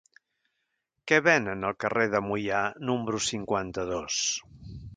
Què venen al carrer de Moià número cinquanta-dos?